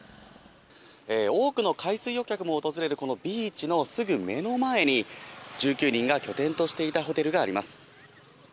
多くの海水浴客も訪れるこのビーチのすぐ目の前に、１９人が拠点としていたホテルがあります。